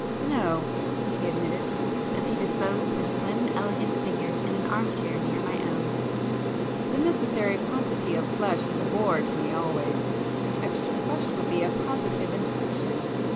"No"—he admitted, as he disposed his slim elegant figure in an arm chair near my own—"The necessary quantity of flesh is a bore to me always,—extra flesh would be a positive infliction.